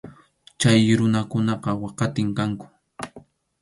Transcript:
Chay runakunaqa waqatim kanku.